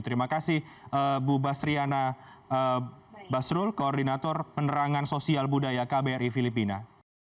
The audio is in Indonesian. terima kasih bu basriana basrul koordinator penerangan sosial budaya kbri filipina